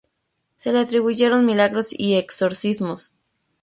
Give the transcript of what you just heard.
Se le atribuyeron milagros y exorcismos.